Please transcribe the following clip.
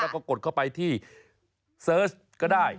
แล้วก็กดเข้าไปที่เสิร์ชก็ได้